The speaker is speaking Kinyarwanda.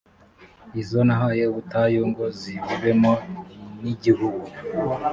izo nahaye ubutayu ngo zibubemo n igihugu